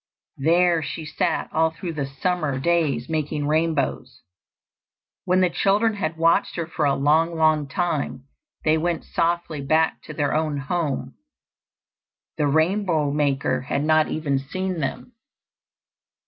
There she sat all through the summer days making rainbows. When the children had watched her for a long long time, they went softly back to their own home. The rainbow maker had not even seen them.